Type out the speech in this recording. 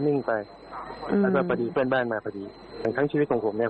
นิ่งไปแล้วก็พอดีเพื่อนบ้านมาพอดีอย่างทั้งชีวิตของผมเนี่ย